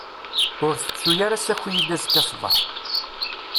Ur tettu ara ssaki-iyi-d azekka ssbeḥ.